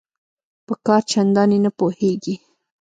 په کار چنداني نه پوهیږي